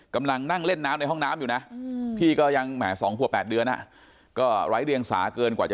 กำลังนั่งเล่นน้ำในห้องน้ำอยู่นะ